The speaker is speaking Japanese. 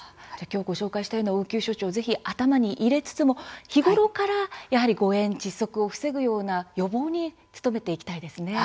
ご紹介したような応急処置を頭に入れつつも日頃から誤えん、窒息を防ぐような予防に努めていきたいですね。